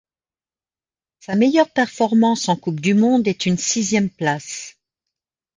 Sa meilleure performance en Coupe du monde est une sixième place.